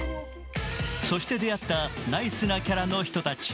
そして、出会ったナイスのキャラの人たち。